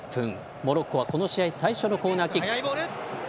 モロッコはこの試合最初のコーナーキック。